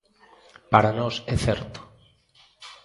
Para nós é certo.